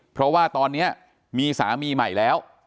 เพราะว่าตอนนี้มีสามีใหม่แล้ว